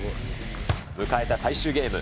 迎えた最終ゲーム。